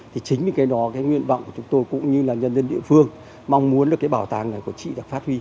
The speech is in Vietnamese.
thì chính vì cái đó cái nguyện vọng của chúng tôi cũng như là nhân dân địa phương mong muốn được cái bảo tàng này của chị được phát huy